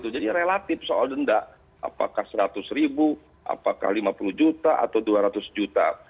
relatif soal denda apakah seratus ribu apakah lima puluh juta atau dua ratus juta